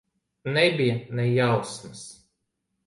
Nebija ne jausmas.